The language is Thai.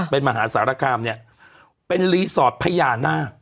เป็นมหาสารคามนี้เป็นรีสอร์ทภัยาหน้า